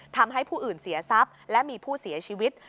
ทำให้ผู้อื่นเสียทรัพย์และมีผู้เสียชีวิต